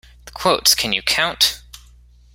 The quotes, can you count?